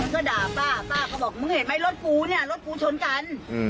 ก็ด่าป้าป้าก็บอกมึงเห็นไหมรถกูเนี่ยรถกูชนกัน